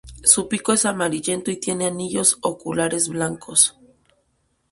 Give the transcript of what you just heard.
Su pico es amarillento y tienen anillos oculares blancos.